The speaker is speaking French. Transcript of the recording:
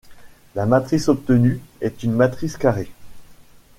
La matrice obtenue est une matrice carrée.